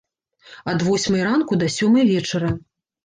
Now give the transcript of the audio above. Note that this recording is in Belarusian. Ад восьмай ранку да сёмай вечара.